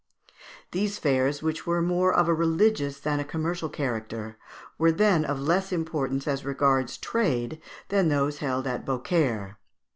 These fairs, which were more of a religious than of a commercial character, were then of less importance as regards trade than those held at Beaucaire.